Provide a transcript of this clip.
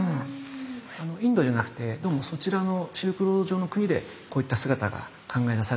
インドじゃなくてどうもそちらのシルクロード上の国でこういった姿が考え出されたようなんです。